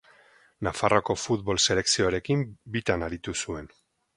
Nafarroako futbol selekzioarekin bitan aritu zuen.